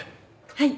はい。